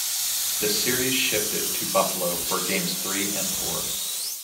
The series shifted to Buffalo for games three and four.